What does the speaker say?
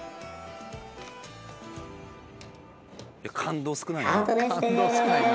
感動少ないな。